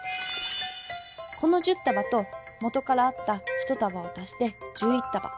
この１０たばともとからあった１たばを足して１１たば。